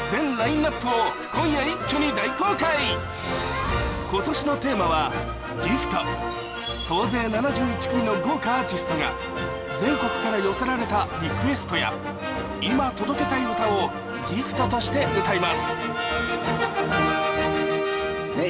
今夜一挙に今年のテーマはギフト総勢７１組の豪華アーティストが全国から寄せられたリクエストや今届けたい歌をギフトとして歌いますねえ